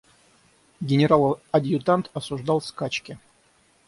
Генерал-адъютант осуждал скачки.